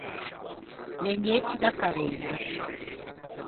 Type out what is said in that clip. Legnetti da carrega.